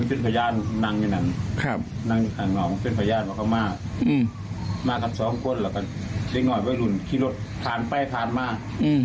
อีรถพันธุ์ไปมากแล้วก็มาจอดรถอยู่หน้าบาท